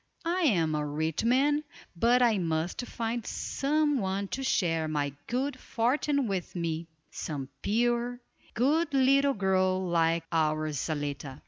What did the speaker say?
I am a rich man, but I must find some one to share my good fortune with me, some pure, good little girl like our Zaletta."